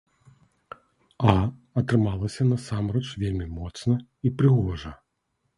А атрымалася насамрэч вельмі моцна і прыгожа.